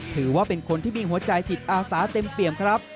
ถือว่าเป็นคนที่มีหัวใจจิตอาสาเต็มเปี่ยมครับ